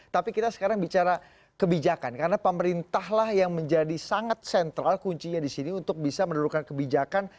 tapi kita sekarang bicara kebijakan karena pemerintahlah yang menjadi sangat sentral kuncinya di sini untuk bisa menurunkan kebijakan